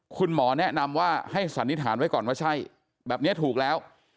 คุณหมอแนะนำว่าให้สันนิษฐานไว้ก่อนว่าใช่แบบนี้ถูกแล้ว